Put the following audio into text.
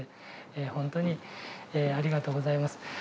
ほんとにありがとうございます。